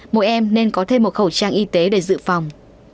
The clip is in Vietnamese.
mỗi em nên có thêm một khẩu trang y tế để dự phòng